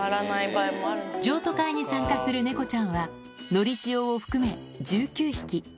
譲渡会に参加する猫ちゃんは、のりしおを含め、１９匹。